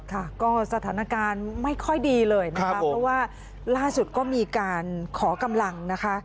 ค่ะก็สถานการณ์ไม่ค่อยดีเลยนะคะเพราะว่าล่าสุดก็มีการขอกำลังนะคะ